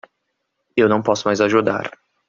Eu não posso mais ajudar.